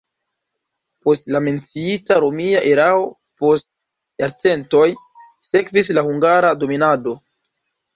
Post la menciita romia erao post jarcentoj sekvis la hungara dominado.